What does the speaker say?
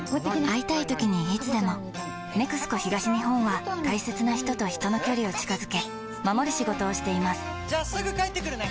会いたいときにいつでも「ＮＥＸＣＯ東日本」は大切な人と人の距離を近づけ守る仕事をしていますじゃあすぐ帰ってくるね！